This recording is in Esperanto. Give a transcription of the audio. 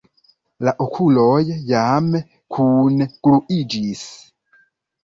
La okuloj jam kungluiĝis.